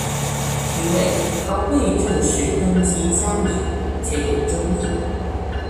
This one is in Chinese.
因为他未正式登基加冕且有争议。